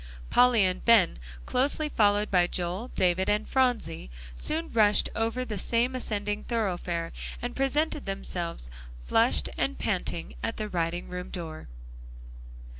Polly and Ben closely followed by Joel, David and Phronsie soon rushed over the same ascending thoroughfare, and presented themselves, flushed and panting, at the writing room door.